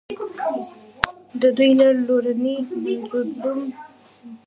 د دوی له لورینې منندوی یم.